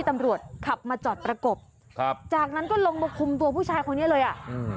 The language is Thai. ตำรวจขับมาจอดประกบครับจากนั้นก็ลงมาคุมตัวผู้ชายคนนี้เลยอ่ะอืม